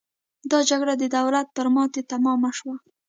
دا جګړه د دولت پر ماتې تمامه شوه.